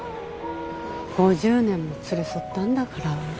５０年も連れ添ったんだから。